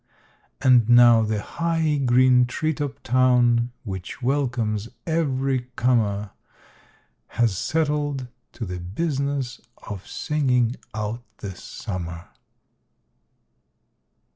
And now the high, green tree top town, which welcomes ev'ry comer, Has settled to the business of singing out the summer.